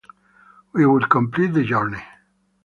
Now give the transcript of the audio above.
We will complete the journey.